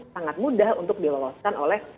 sangat mudah untuk diloloskan oleh